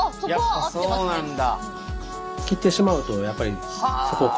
やっぱりそうなんだ。